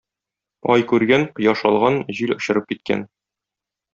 Ай күргән, кояш алган, җил очырып киткән.